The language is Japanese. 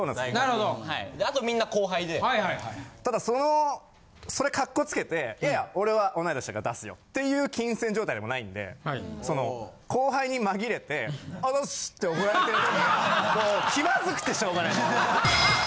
ただそれかっこつけていや俺は同い年だから出すよっていう金銭状態でもないんで。っておごられてる時もう気まずくてしょうがない。